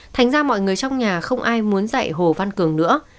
thành ra mọi người trong nhà không ai muốn dạy hồ văn cường nữa